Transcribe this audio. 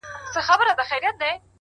هوډ د اوږدو لارو ملګری دی،